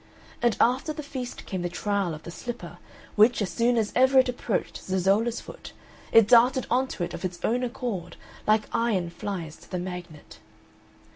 And after the feast came the trial of the slipper, which, as soon as ever it approached Zezolla's foot, it darted on to it of its own accord like iron flies to the magnet.